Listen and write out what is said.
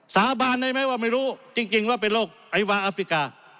สาบานได้ไหมว่าไม่รู้จริงว่าเป็นโรคไอวาอัฟริกา